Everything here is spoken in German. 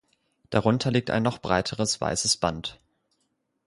Darunter liegt ein noch breiteres weißes Band.